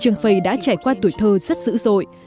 trương phây đã trải qua tuổi thơ rất dữ rồi